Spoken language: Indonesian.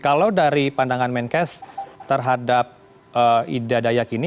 kalau dari pandangan menkes terhadap ida dayak ini